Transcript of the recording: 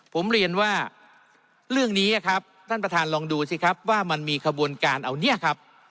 ผมเรียนว่าเรื่องนี้ครับท่านประธานลองดูสิครับว่ามันมีขบวนการเอาเนี่ยครับ